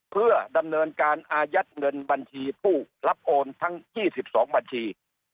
เพื่อดำเนินการอายัดเงินบัญชีผู้รับโอนทั้ง๒๒บัญชี